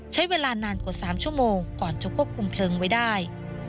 ใช้เวลานานกว่า๓ชั่วโมงก่อนจะควบคุมเพลิงไว้ได้